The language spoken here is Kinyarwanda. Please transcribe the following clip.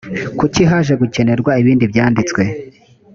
kuki haje gukenerwa ibindi byanditswe